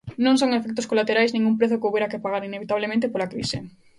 Non son efectos colaterais nin un prezo que houbera que pagar inevitablemente pola crise.